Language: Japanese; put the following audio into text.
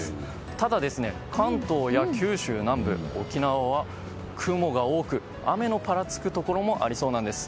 ただ、関東や九州南部、沖縄は雲が多く、雨のぱらつくところもありそうです。